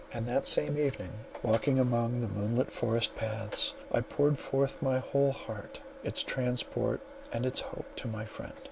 And that same evening, walking among the moon lit forest paths, I poured forth my whole heart, its transport and its hope, to my friend.